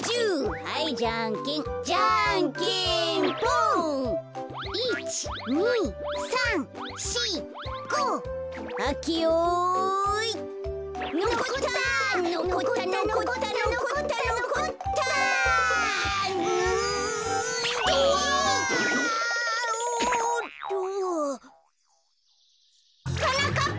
はなかっぱ！